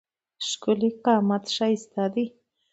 ښکېلی قامت ښایسته دی.